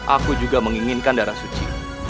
aku juga menginginkan darah suci